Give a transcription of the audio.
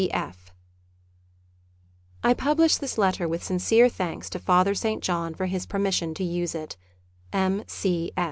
C.F, I publish this letter with sincere thanks to Father St. John for his permission to use it.— M.